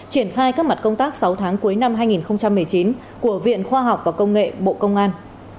triển khai các mặt công tác sáu tháng cuối năm hai nghìn một mươi chín của viện khoa học và công nghệ bộ công an